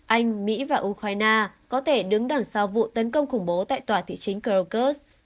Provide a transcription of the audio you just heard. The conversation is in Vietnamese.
anh mỹ và ukraine có thể đứng đằng sau vụ tấn công khủng bố tại tòa thị chính krokus